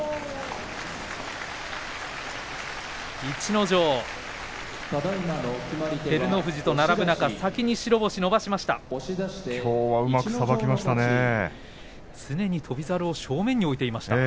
逸ノ城、照ノ富士と並ぶ中先に白星を伸ばしました。